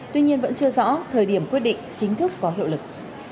tuy nhiên vẫn chưa rõ thời điểm quyết định chính thức có hiệu lực